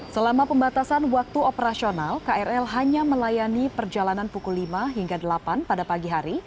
selama pembatasan waktu operasional krl hanya melayani perjalanan pukul lima hingga delapan pada pagi hari